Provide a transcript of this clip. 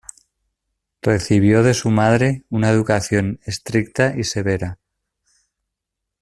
Recibió de su madre una educación estricta y severa.